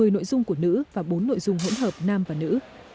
một mươi nội dung của nữ và bốn nội dung hỗn hợp nam và nữ